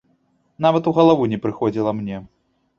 Нават у галаву не прыходзіла мне.